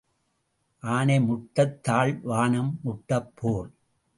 ஆனை முட்டத் தாள் வானம் முட்டப் போர்.